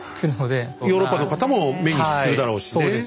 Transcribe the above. ヨーロッパの方も目にするだろうし。